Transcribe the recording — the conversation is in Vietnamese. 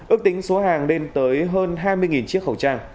ước tính số hàng lên tới hơn hai mươi chiếc khẩu trang